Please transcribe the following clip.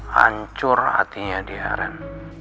hancur hatinya dia ren